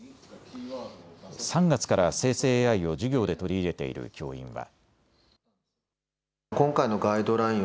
３月から生成ＡＩを授業で取り入れている教員は。